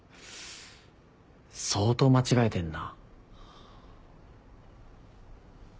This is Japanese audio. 相当間違えてんな。